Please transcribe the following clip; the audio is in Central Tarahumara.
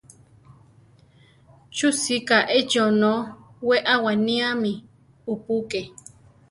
¿Chú sika échi onó we aʼwániámi upúke?